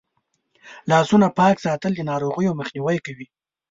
لاسونه پاک ساتل د ناروغیو مخنیوی کوي.